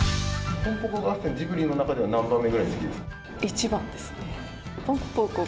ぽんぽこ合戦、ジブリの中では何番目ぐらいに好きですか？